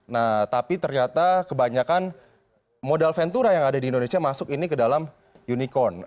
nah tapi ternyata kebanyakan modal ventura yang ada di indonesia masuk ini ke dalam unicorn